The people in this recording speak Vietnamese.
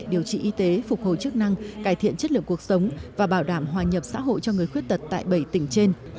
điều trị y tế phục hồi chức năng cải thiện chất lượng cuộc sống và bảo đảm hòa nhập xã hội cho người khuyết tật tại bảy tỉnh trên